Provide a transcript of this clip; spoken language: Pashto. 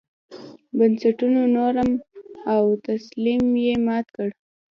بنسټونو نورم او طلسم یې مات کړ.